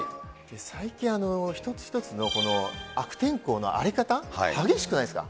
最近、一つ一つの悪天候の荒れ方、激しくないですか。